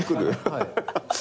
はい。